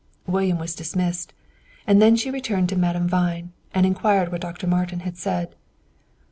William was dismissed. And then she returned to Madame Vine, and inquired what Dr. Martin had said.